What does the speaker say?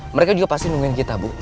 mereka juga pasti nungguin kita bu